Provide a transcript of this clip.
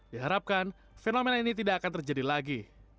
diharapkan fenomena ini tidak akan terjadi lagi